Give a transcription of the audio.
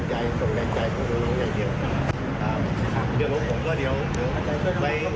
ของทุกคนอย่างเดียว